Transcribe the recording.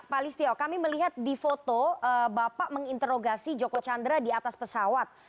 pak listio kami melihat di foto bapak menginterogasi joko chandra di atas pesawat